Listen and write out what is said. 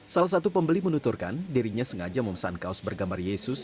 salah satu pembeli menuturkan dirinya sengaja memesan kaos bergambar yesus